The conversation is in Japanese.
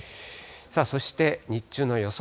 そして、日中の予想